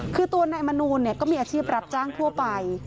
คือตัวนายมนูลก็มีอาชีพรับจ้างทั่วไป